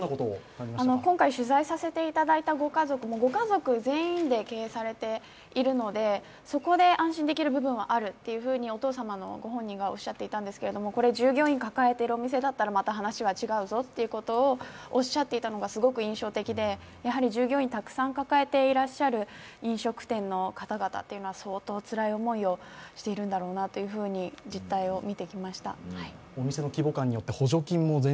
今回取材させていただいたご家族も、ご家族全員で経営されているのでそこで安心できる部分はあるとお父様ご本人がおっしゃっていたんですけどもこれ従業員を抱えているお店だったらまた話は違うぞということをすごく印象的で、従業員たくさん抱えていらっしゃる飲食店の方々は、相当つらい思いをしているんだろうなと実態を見てきました。